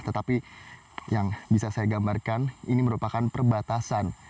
tetapi yang bisa saya gambarkan ini merupakan perbatasan